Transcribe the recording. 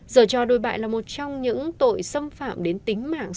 giờ cho đôi bại là một trong những tội xâm phạm đến tính mạng